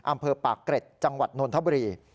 อำเภอปากเกร็ดจังหวัดนนทบุรี